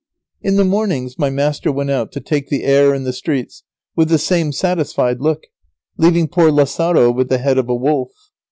In the mornings my master went out to take the air in the streets with the same satisfied look, leaving poor Lazaro with the head of a wolf.